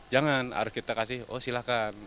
jangan harus kita kasih oh silahkan